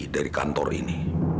dari kantor ini